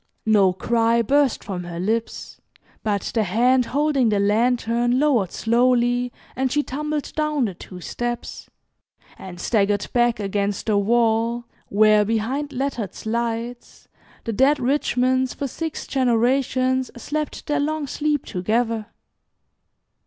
No cry burst from her lips, but the hand holding the lantern lowered slowly, and she tumbled down the two steps, and staggered back against the wall, where, behind lettered slides, the dead Richmonds for six generations slept their long sleep together.